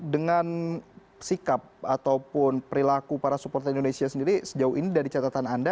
dengan sikap ataupun perilaku para supporter indonesia sendiri sejauh ini dari catatan anda